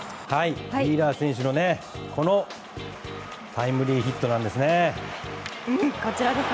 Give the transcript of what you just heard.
ウィーラー選手のこのタイムリーヒットです。